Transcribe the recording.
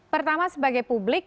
pertama sebagai publik